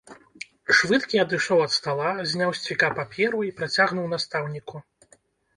Швыдкі адышоў ад стала, зняў з цвіка паперу і працягнуў настаўніку.